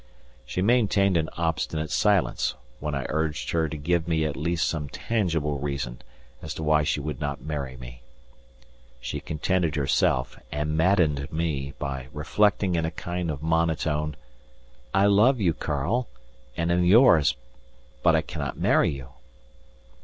She maintained an obstinate silence when I urged her to give me at least some tangible reason as to why she would not marry me. She contented herself and maddened me by reflecting in a kind of monotone: "I love you, Karl! and am yours, but I cannot marry you."